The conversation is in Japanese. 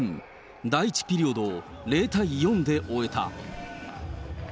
第１ピリオドを０対４で終えた。